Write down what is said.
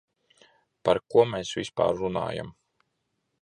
Par ko mēs vispār runājam?